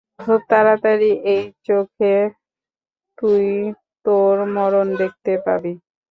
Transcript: খুব তাড়াতাড়ি এই চোখে, তুই তোর মরণ দেখতে পাবি।